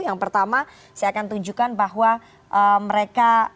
yang pertama saya akan tunjukkan bahwa mereka